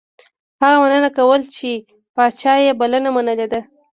هغه مننه کوله چې پاچا یې بلنه منلې ده.